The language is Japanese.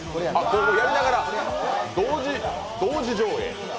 やりながら、同時上映！